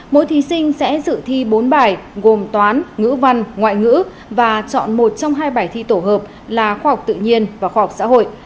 mỗi thí sinh sẽ dự thi bốn bài gồm toán ngữ văn ngoại ngữ và chọn một trong hai bài thi tổ hợp là khoa học tự nhiên và khoa học xã hội